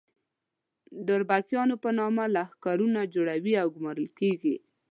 د اربکیانو په نامه لښکرونه جوړوي او ګومارل کېږي.